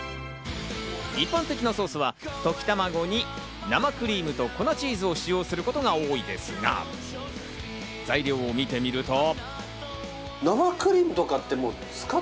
一般的なソースは溶き卵に生クリームと粉チーズを使用することが多いですが、材料を見てみると。